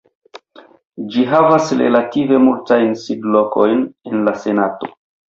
Ĝi havas relative multajn sidlokojn en la senato.